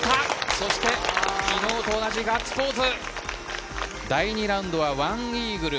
そして、昨日と同じガッツポーズ。